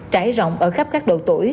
trải rộng ở khắp các độ tuổi